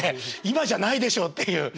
「今じゃないでしょ」っていう。